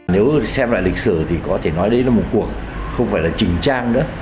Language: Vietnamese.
nếu xem lại lịch sử thì có thể nói đấy là một cuộc không phải là trình trang